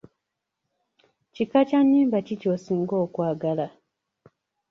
Kika kya nnyimba ki ky'osinga okwagala?